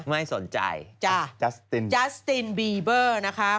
ไม่สนใจจ๊าสตินบีเบอร์นะคะ